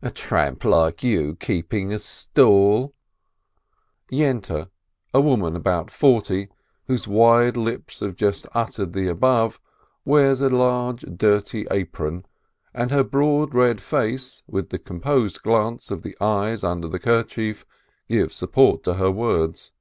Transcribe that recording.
A tramp like you keeping a stall !" Yente, a woman about forty, whose wide lips have just uttered the above, wears a large, dirty apron, and her broad, red face, with the composed glance of the eyes under the kerchief, gives support to her words.